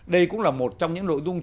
đây cũng là một trong những nội dung